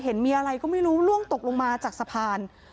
เห็นมีอะไรก็ไม่รู้ล่วงตกลงมาจากสะพาน